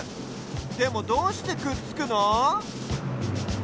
でもどうしてくっつくの？